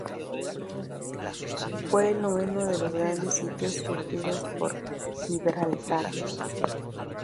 Fue el noveno de los grandes sitios sufridos por Gibraltar.